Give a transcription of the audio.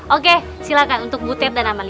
oke silakan untuk butir dan aman